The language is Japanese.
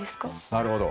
なるほど。